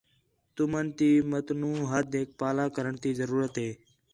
تُمن تی متنوع حَدیک پاہلا کرݨ تی ضرورت ہِے